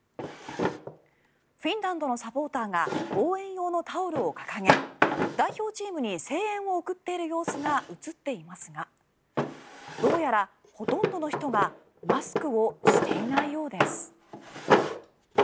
フィンランドのサポーターが応援用のタオルを掲げ代表チームに声援を送っている様子が写っていますがどうやらほとんどの人がマスクをしていないようです。